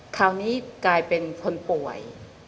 คราวนี้กลายเป็นคนป่วย